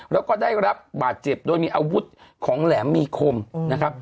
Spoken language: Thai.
แล้วก็ได้รับบาดเจ็บโดยมีอาวุธของแหลมมีคมนะครับ